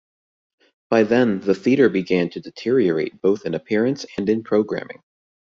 By then, the theater began to deteriorate both in appearance and in programming.